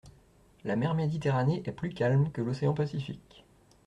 La mer Méditerranée est plus calme que l’océan Pacifique.